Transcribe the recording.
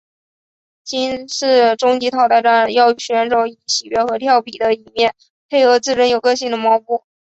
今次终极淘汰战要选手以喜悦和佻皮的一面配合自身有个性的猫步。